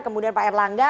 kemudian pak erlangga